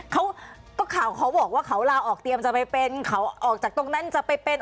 เขาก็ข่าวเขาบอกว่าเขาลาออกเตรียมจะไปเป็นเขาออกจากตรงนั้นจะไปเป็น